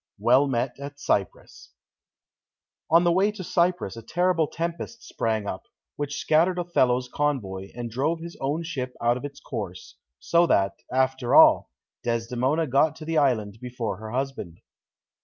Well met at Cyprus On the way to Cyprus a terrible tempest sprang up, which scattered Othello's convoy, and drove his own ship out of its course, so that, after all, Desdemona got to the island before her husband.